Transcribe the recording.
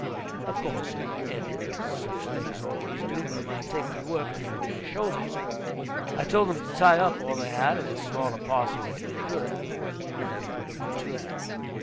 Of course it ended, as such things always do, by my taking the work on my own shoulders. I told them to tie up all they had in as small a parcel as they could, and bring them to me.